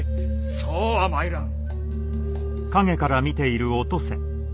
そうはまいらぬ。